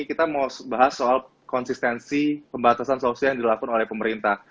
kita mau bahas soal konsistensi pembatasan sosial yang dilakukan oleh pemerintah